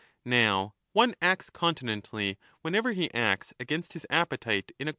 Now one acts continently whenever he acts against his appetite in accord 1 Fr.